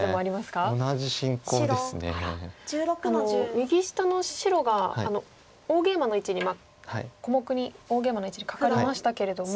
右下の白が大ゲイマの位置に小目に大ゲイマの位置にカカりましたけれども。